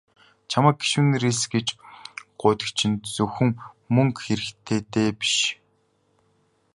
Чамайг гишүүнээр элс гэж гуйдаг чинь зөвхөн мөнгө хэрэгтэйдээ биш.